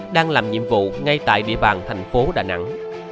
đang làm nhiệm vụ ngay tại địa bàn thành phố đà nẵng